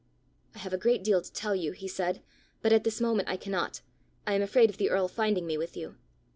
"I have a great deal to tell you," he said, "but at this moment I cannot: I am afraid of the earl finding me with you!"